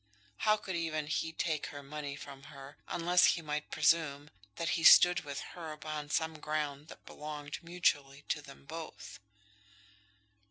How could even he take her money from her, unless he might presume that he stood with her upon some ground that belonged mutually to them both?